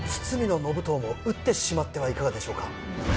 堤信遠も討ってしまってはいかがでしょうか。